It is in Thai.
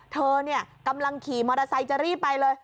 เธอกำลังขี่มอเตอร์ไซค์จะรีบไปเลย